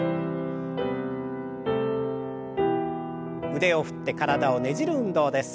腕を振って体をねじる運動です。